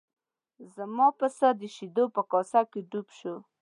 زما پسه د شیدو په کاسه کې ډوب شو.